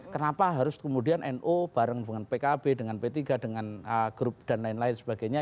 kenapa harus kemudian nu bareng dengan pkb dengan p tiga dengan grup dan lain lain sebagainya